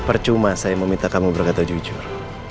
percuma saya meminta kamu berkata jujur